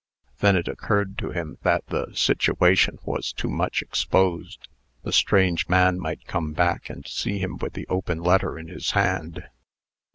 Then it occurred to him that the situation was too much exposed. The strange man might come back, and see him with the open letter in his hand.